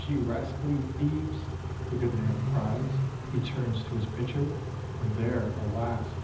ye rascally thieves!" The good man cries. He turns to his pitcher, And there, alas!